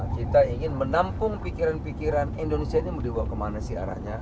kita ingin menampung pikiran pikiran indonesia ini mau dibawa kemana sih arahnya